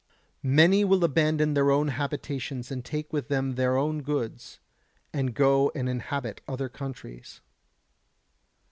Many will abandon their own habitations and take with them their own goods, and go and inhabit other countries.